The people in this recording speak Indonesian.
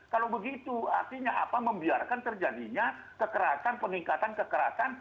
kalau begitu artinya apa membiarkan terjadinya kekerasan peningkatan kekerasan